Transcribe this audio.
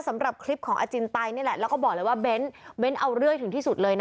สำหรับคลิปของอาจินไตนี่แหละแล้วก็บอกเลยว่าเบ้นเอาเรื่อยถึงที่สุดเลยนะ